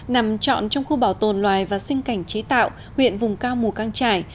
nằm trọn trong khu bảo tồn loài và sinh cảnh chế tạo huyện vùng cao mù căng trải